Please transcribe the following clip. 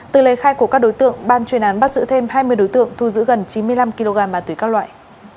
từ lời khai của các đối tượng ban chuyên án bắt giữ thêm hai mươi đối tượng thu giữ gần chín mươi năm kg ma túy các loại